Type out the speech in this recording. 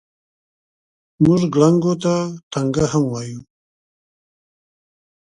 موږ ګړنګو ته ټنګه هم وایو.